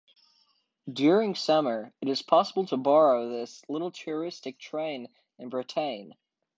During summer, it is possible to borrow this little touristic train in Bretagne.